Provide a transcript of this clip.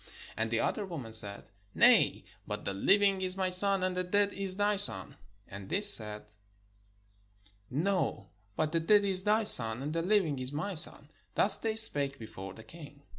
And the other woman said: "Nay: but the hving is my son, and the dead is thy son." And this said: "No; but the dead is thy son, and the living is my son." Thus they spake before the king.